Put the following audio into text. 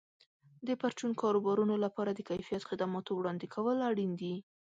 د پرچون کاروبارونو لپاره د کیفیت خدماتو وړاندې کول اړین دي.